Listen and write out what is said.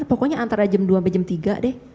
pokoknya antara jam dua sampai jam tiga deh